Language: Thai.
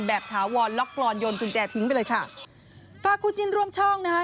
ถาวรล็อกกรอนโยนกุญแจทิ้งไปเลยค่ะฝากคู่จิ้นร่วมช่องนะคะ